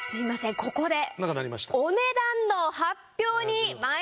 ここでお値段の発表に参ります。